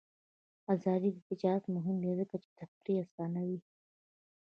آزاد تجارت مهم دی ځکه چې تفریح اسانوي.